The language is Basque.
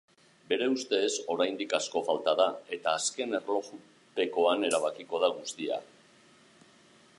Bere ustez, oraindik asko falta da eta azken erlojupekoan erabakiko da guztia.